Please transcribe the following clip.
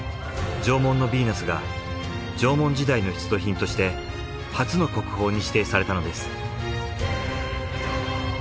『縄文のビーナス』が縄文時代の出土品として初の国宝に指定されたのです。